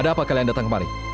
ada apa kalian datang kemari